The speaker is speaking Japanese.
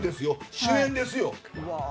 主演ですよ。